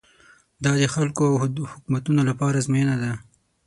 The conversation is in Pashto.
دا د خلکو او حکومتونو لپاره ازموینه ده.